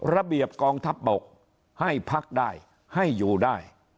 ระเบียบกองทัพบกให้พักได้ให้อยู่ได้